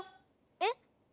えっ？